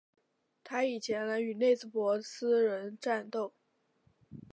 他已前来与内兹珀斯人战斗。